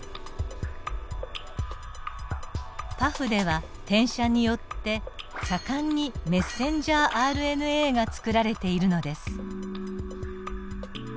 パフでは転写によって盛んにｍＲＮＡが作られているのです。